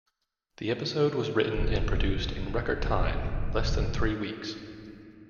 The episode "was written and produced in record time" - less than three weeks.